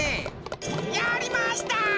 やりました！